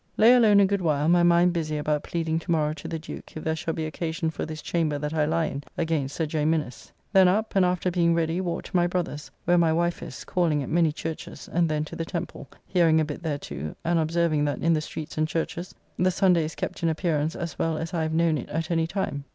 Lay alone a good while, my mind busy about pleading to morrow to the Duke if there shall be occasion for this chamber that I lie in against Sir J., Minnes. Then up, and after being ready walked to my brother's, where my wife is, calling at many churches, and then to the Temple, hearing a bit there too, and observing that in the streets and churches the Sunday is kept in appearance as well as I have known it at any time.